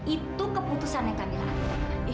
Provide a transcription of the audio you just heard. itu keputusannya kamilah